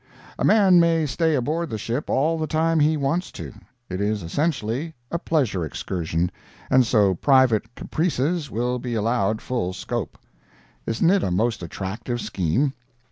A man may stay aboard the ship all the time if he wants to. It is essentially a pleasure excursion, and so private caprices will be allowed full scope. Isn't it a most attractive scheme?